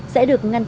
sẽ được ngăn chặn